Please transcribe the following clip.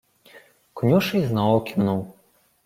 Конюший знову кивнув.